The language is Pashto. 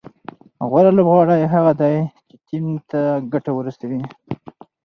غوره لوبغاړی هغه دئ، چي ټیم ته ګټه ورسوي.